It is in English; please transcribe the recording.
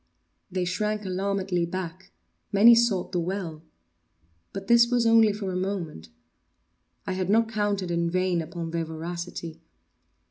They shrank alarmedly back; many sought the well. But this was only for a moment. I had not counted in vain upon their voracity.